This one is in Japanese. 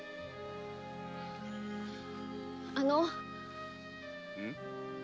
あの。